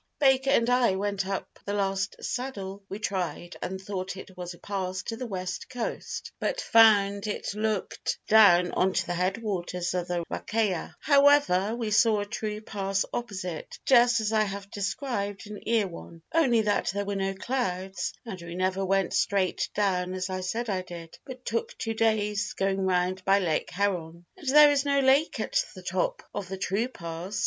Baker and I went up the last saddle we tried and thought it was a pass to the West Coast, but found it looked down on to the headwaters of the Rakaia: however we saw a true pass opposite, just as I have described in Erewhon, only that there were no clouds and we never went straight down as I said I did, but took two days going round by Lake Heron. And there is no lake at the top of the true pass.